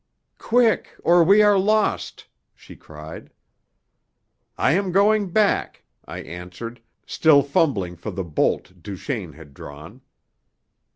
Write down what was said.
"Quick, or we are lost!" she cried. "I am going back," I answered, still fumbling for the holt Duchaine had drawn.